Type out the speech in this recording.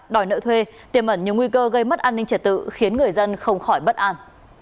đòi nợ thuê tiềm ẩn nhiều nguy cơ gây mất an ninh trật tự khiến người dân không khỏi bất an